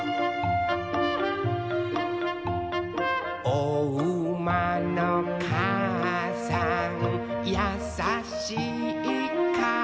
「おうまのかあさんやさしいかあさん」